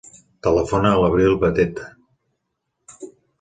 Telefona a l'Abril Beteta.